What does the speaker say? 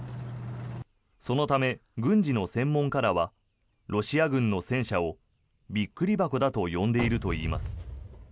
そのため軍事の専門家らはロシア軍の戦車をびっくり箱だと呼んでいるといいます。